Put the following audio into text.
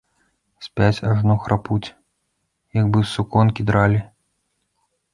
Спяць, ажно храпуць, як бы суконкі дралі.